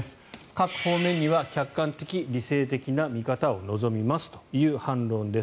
各方面には客観的、理性的な見方を望みますという反論です。